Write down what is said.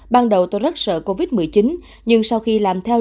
ban đầu tôi rất sợ covid một mươi chín nhưng sau khi làm theo